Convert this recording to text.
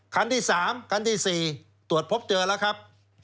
คันที่๓คันที่๔ตรวจพบเจอแล้วครับ